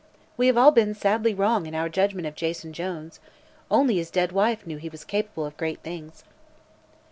We have all been sadly wrong in our judgment of Jason Jones. Only his dead wife knew he was capable of great things."